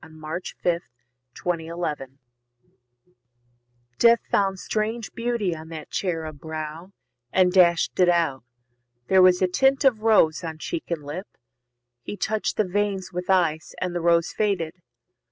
Sigourney Death of an Infant Death found strange beauty on that cherub brow, And dash'd it out. There was a tint of rose On cheek and lip; he touch'd the veins with ice, And the rose faded.